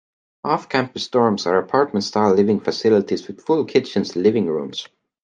Off-campus dorms are apartment style living facilities with full kitchens and living rooms.